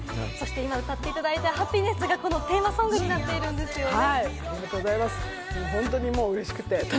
今歌っていただいた『ハピネス』がこのテーマソングになっているんですよね？